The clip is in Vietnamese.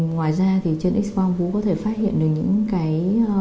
ngoài ra thì trên x quang vố có thể phát hiện được những cái